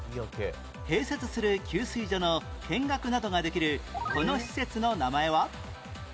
併設する給水所の見学などができるこの施設の名前は？